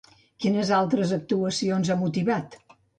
Quines altres actuacions ha motivat?